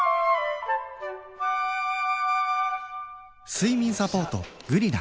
睡眠サポート「グリナ」